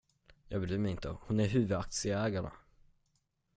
Jag bryr mig inte, hon är huvudaktieägare.